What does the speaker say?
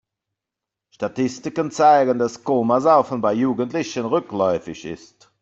Statistiken zeigen, dass Komasaufen bei Jugendlichen rückläufig ist.